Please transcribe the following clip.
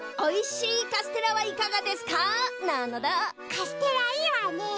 カステラいいわね。